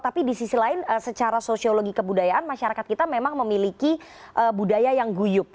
tapi di sisi lain secara sosiologi kebudayaan masyarakat kita memang memiliki budaya yang guyup